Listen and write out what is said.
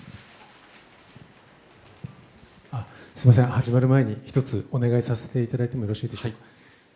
始まる前に１つお願いさせていただいてもよろしいでしょうか。